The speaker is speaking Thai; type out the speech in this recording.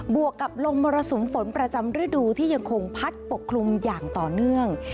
วกกับลมมรสุมฝนประจำฤดูที่ยังคงพัดปกคลุมอย่างต่อเนื่อง